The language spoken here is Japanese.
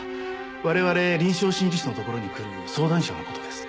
我々臨床心理士のところに来る相談者の事です。